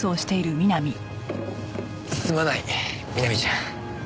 すまない美波ちゃん。